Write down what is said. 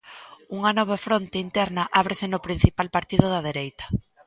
Unha nova fronte interna ábrese no principal partido da dereita.